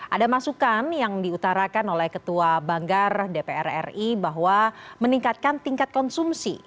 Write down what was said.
ada masukan yang diutarakan oleh ketua banggar dpr ri bahwa meningkatkan tingkat konsumsi